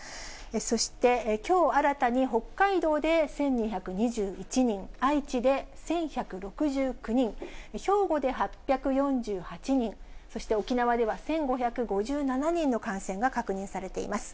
そしてきょう新たに、北海道で１２２１人、愛知で１１６９人、兵庫で８４８人、そして沖縄では１５５７人の感染が確認されています。